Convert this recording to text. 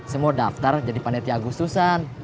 semua daftar jadi pandeti agustusan